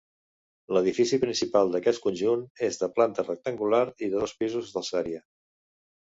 L'edifici principal d'aquest conjunt és de planta rectangular i de dos pisos d'alçària.